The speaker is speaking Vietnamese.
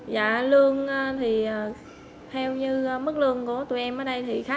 dạ lương thì theo như mức lương của tụi em ở đây thì khá tốt